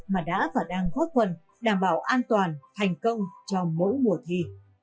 mà đã phản án góp phần đảm bảo an toàn thành công cho mỗi mùa thi